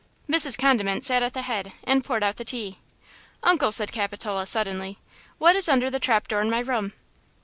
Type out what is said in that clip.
Mrs. Condiment sat at the head and poured out the tea. "Uncle," said Capitola, suddenly, "what is under the trap door in my room?"